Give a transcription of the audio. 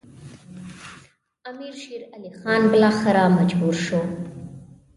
امیر شېر علي خان بالاخره مجبور شو.